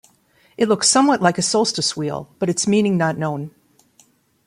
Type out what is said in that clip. It looks somewhat like a solstice wheel, but its meaning not known.